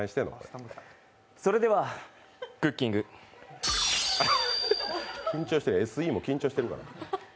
それでは、クッキングＳＥも緊張してるから。